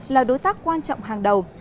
là đối tác quan trọng hàng đầu